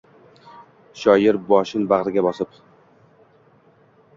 Shoir boshin bag’riga bosib